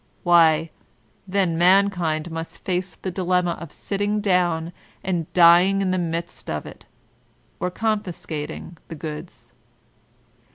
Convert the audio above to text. Why, then man kind must face the dilemma of sitting down and dying in the midst of it, or confiscating the goods.